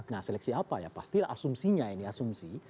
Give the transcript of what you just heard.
nah seleksi apa ya pastilah asumsinya ini asumsi